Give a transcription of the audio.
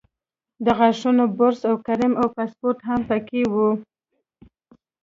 د غاښونو برس او کریم او پاسپورټ هم په کې وو.